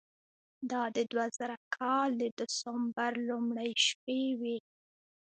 دا د دوه زره کال د دسمبر لومړۍ شپې وې.